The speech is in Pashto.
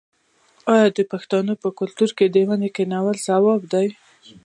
آیا د پښتنو په کلتور کې د ونو کینول ثواب نه دی؟